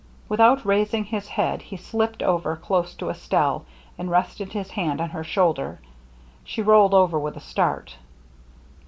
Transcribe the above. Without raising his head he slipped over close to Es telle and rested his hand on her shoulder. She rolled over with a start.